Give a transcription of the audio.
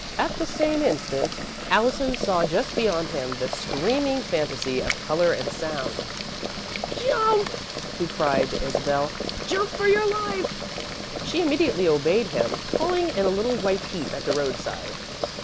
At the same instant, Allison saw just beyond him, the screaming fantasy of colour and sound. "Jump!" he cried to Isabel. "Jump for your life!" She immediately obeyed him, falling in a little white heap at the roadside.